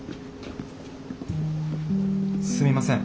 すみません。